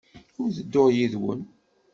Ur ttedduɣ yid-wen.